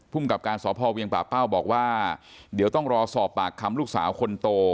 กับการสพเวียงป่าเป้าบอกว่าเดี๋ยวต้องรอสอบปากคำลูกสาวคนโต